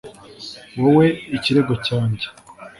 Wowe ikirego cyanjye